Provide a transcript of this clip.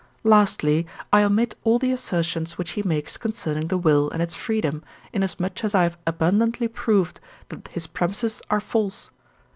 Lastly, I omit all the assertions which he makes concerning the will and its freedom, inasmuch as I have abundantly proved that his premisses are false.